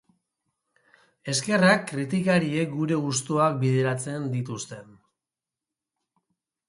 Eskerrak kritikariek gure gustuak bideratzen dituzten...